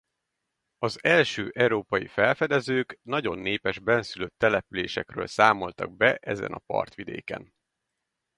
Az első európai felfedezők nagyon népes bennszülött településekről számoltak be ezen a partvidéken.